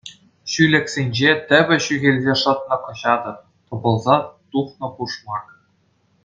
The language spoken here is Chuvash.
Ҫӳлӗксенче тӗпӗ ҫӳхелсе шӑтнӑ кӑҫатӑ, тӑпӑлса тухнӑ пушмак...